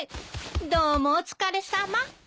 どうもお疲れさま。